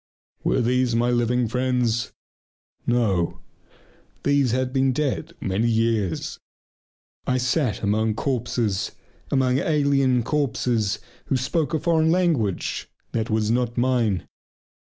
Were these my living friends? No, these had been dead many years. I sat among corpses, among alien corpses who spoke a language that was not mine.